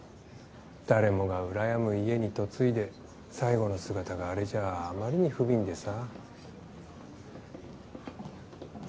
誰もが羨む家に嫁いで最後の姿があれじゃあまりに不憫でさ。